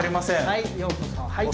はい。